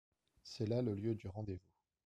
C’est là le lieu du rendez-vous.